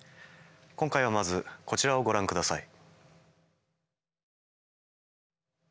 今回はまずこちらをご覧下さい。